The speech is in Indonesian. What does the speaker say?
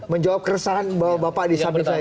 menjawab keresahan bahwa bapak disambil saya ini